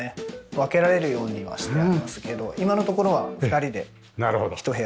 分けられるようにはしてありますけど今のところは２人で１部屋使ってます。